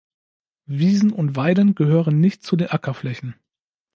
Wiesen und Weiden gehören nicht zu den Ackerflächen.